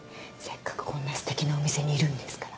せっかくこんなすてきなお店にいるんですから。